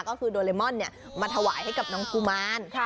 ก็คือโดเรมอนมาถวายให้กับน้องกุมาร